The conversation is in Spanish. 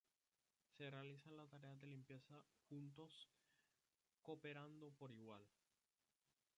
Realizan las tareas de limpieza juntos, cooperando por igual.